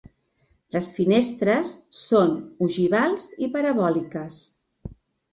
Les finestres són ogivals i parabòliques.